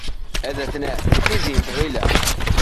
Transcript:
Ad t-naf, di tizi n lɣila.